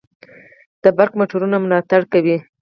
د بریښنايي موټرو ملاتړ کوي.